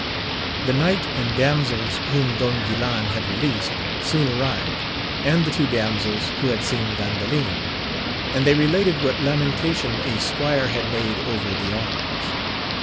The knight and damsels whom Don Guilan had re leased, soon arrived, and the two damsels who had seen Gandalin, and they related what lamentation a squire had made over the arms.